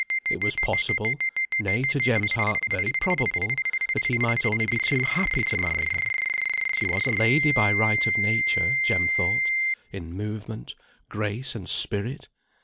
It was possible, nay, to Jem's heart, very probable, that he might only be too happy to marry her. She was a lady by right of nature, Jem thought; in movement, grace, and spirit.